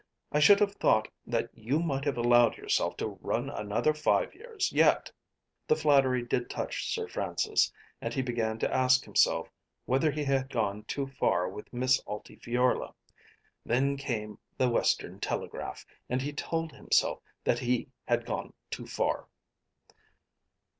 I should have thought that you might have allowed yourself to run another five years yet." The flattery did touch Sir Francis, and he began to ask himself whether he had gone too far with Miss Altifiorla. Then came the "Western Telegraph," and he told himself that he had gone too far.